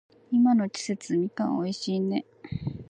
今の季節、みかん美味しいね。